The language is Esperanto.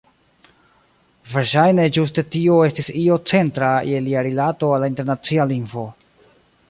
Verŝajne ĝuste tio estis io centra je lia rilato al la internacia lingvo.